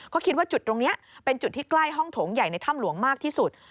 ก็คิดว่าจุดตรงนี้เป็นจุดที่ใกล้ห้องโถงใหญ่ในถ้ำหลวงมากที่สุด